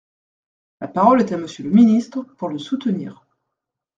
La parole est à Monsieur le ministre, pour le soutenir.